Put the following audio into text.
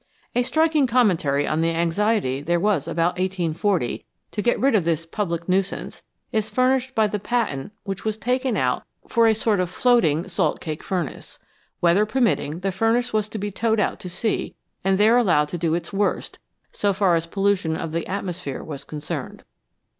A striking commentary on the anxiety there was about 1840 to get rid of this public nuisance is furnished by the patent which was taken out for a sort of floating 274 THE VALUE OF THE BY PRODUCT salt cake furnace. Weather permitting, the furnace was to be towed out to sea, and there allowed to do its worst, so far as pollution of the atmosphere was concerned.